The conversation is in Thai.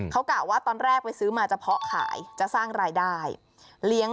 เขากล่าวว่าตอนแรกไปซื้อมาจะเพาะขายจะสร้างรายได้